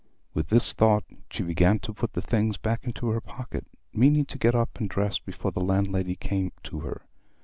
With this thought she began to put the things back into her pocket, meaning to get up and dress before the landlady came to her.